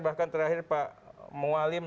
bahkan terakhir pak mualim